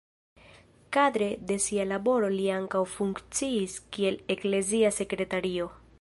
Kadre de sia laboro li ankaŭ funkciis kiel eklezia sekretario.